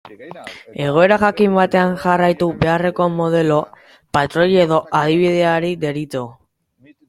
Egoera jakin batean jarraitu beharreko modelo, patroi edo adibideari deritzo.